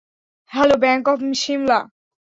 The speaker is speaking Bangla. Hello, bank of Shimla!